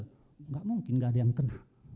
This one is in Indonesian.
enggak mungkin gak ada yang kena